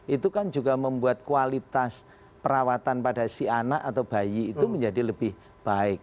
itu kan juga membuat kualitas perawatan pada si anak atau bayi itu menjadi lebih baik